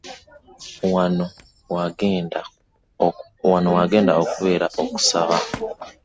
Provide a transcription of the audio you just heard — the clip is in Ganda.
Wano we wagenda okubeera okusaba